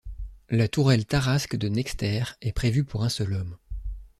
La tourelle Tarask de Nexter est prévue pour un seul homme.